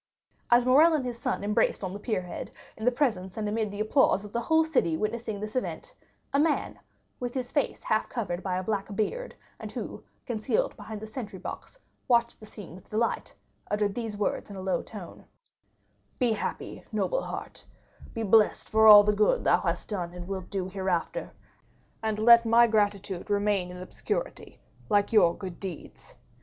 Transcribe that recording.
As Morrel and his son embraced on the pier head, in the presence and amid the applause of the whole city witnessing this event, a man, with his face half covered by a black beard, and who, concealed behind the sentry box, watched the scene with delight, uttered these words in a low tone: "Be happy, noble heart, be blessed for all the good thou hast done and wilt do hereafter, and let my gratitude remain in obscurity like your good deeds."